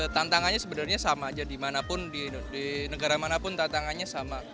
tantangannya sebenarnya sama aja di mana pun di negara mana pun tantangannya sama